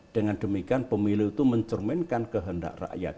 dengan demikian pemilu itu mencerminkan kehendak rakyat